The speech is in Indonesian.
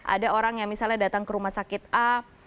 ada orang yang misalnya datang ke rumah sakit a